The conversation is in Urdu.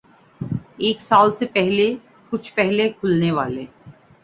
ایک سال سے کچھ پہلے کھلنے والے